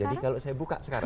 jadi kalau saya buka sekarang